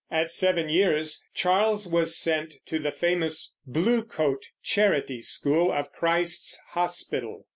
At seven years, Charles was sent to the famous "Bluecoat" charity school of Christ's Hospital.